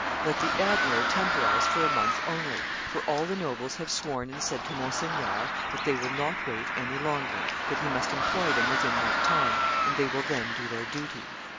Let the admiral temporize for a month only, for all the nobles have sworn and said to Monseigneur that they will not wait any longer, that he must employ them within that time, and they will then do their duty.